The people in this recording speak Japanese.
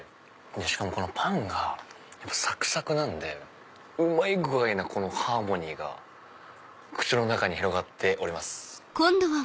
しかもこのパンがサクサクなのでうまい具合なハーモニーが口の中に広がっております。